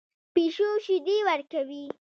پیشو شیدې ورکوي